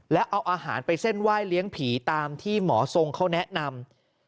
แล้วเอาอาหารไปเส้นไหว้เลี้ยงผีตามที่หมอทรงเขาแนะนำ